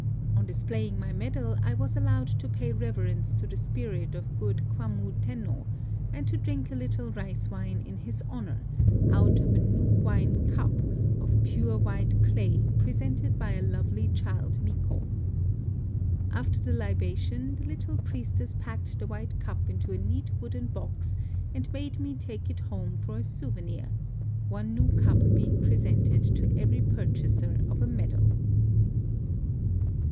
On displaying my medal I was allowed to pay reverence to the spirit of good Kwammu Tenno, and to drink a little rice wine in his honor, out of a new wine cup 72 NOTES OF A TRIP TO KYOTO of pure white clay presented by a lovely child miko. After tlie libation, the little priestess packed tlie white cup into a neat wooden box and bade me take it home for a souvenir ; one new cup being presented to every purchaser of a medal.